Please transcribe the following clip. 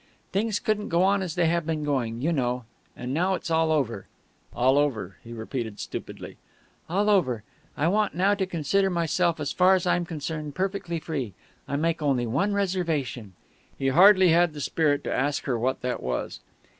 Things couldn't go on as they have been going, you know; and now that's all over." "All over," he repeated stupidly. "All over. I want you now to consider yourself, as far as I'm concerned, perfectly free. I make only one reservation." He hardly had the spirit to ask her what that was.